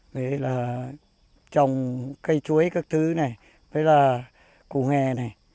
với là trồng cây chuối các thứ này với là củ hè này